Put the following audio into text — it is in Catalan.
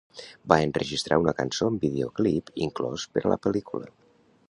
Va enregistrar una cançó amb videoclip inclòs per a la pel·lícula.